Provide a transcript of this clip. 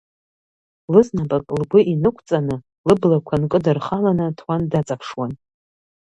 Лызнапык лгәы инықәҵаны, лыблақәа нкыдырхаланы аҭуан даҵаԥшуан.